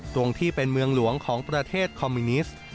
ตรงที่เป็นเมืองหลวงของประเทศคอมมิวนิสต์